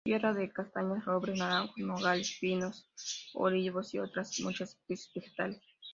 Tierra de castaños, robles, naranjos, nogales, pinos, olivos y otras muchas especies vegetales.